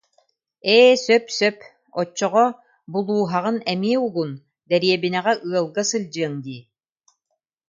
Ээ, сөп, сөп, оччоҕо булууһаҕын эмиэ угун, дэриэбинэҕэ ыалга сылдьыаҥ дии